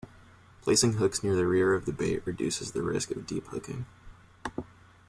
Placing hooks near the rear of the bait reduces the risk of deep hooking.